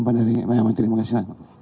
pak dari terima kasih